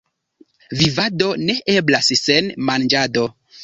Vivado ne eblas sen manĝado.